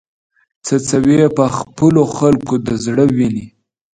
څڅوې په خپلو خلکو د زړه وینې